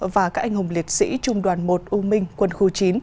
và các anh hùng liệt sĩ trung đoàn một u minh quân khu chín